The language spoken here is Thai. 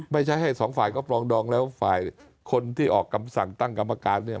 ไม่ใช่ให้สองฝ่ายก็ปรองดองแล้วฝ่ายคนที่ออกคำสั่งตั้งกรรมการเนี่ย